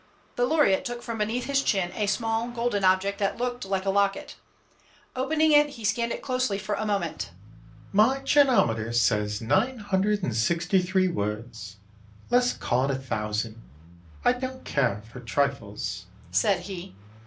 The laureate took from beneath his chin a small golden object that looked like a locket. Opening it, he scanned it closely for a moment. [Illustration: CONSULTING HIS CHINOMETER] "My chinometer says nine hundred and sixty three words. Let us call it a thousand I don't care for trifles," said he.